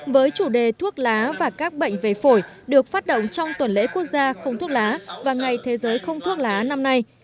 với chủ đề thuốc lá và các bệnh về phổi được phát động trong tuần lễ quốc gia không thuốc lá và ngày thế giới không thuốc lá năm nay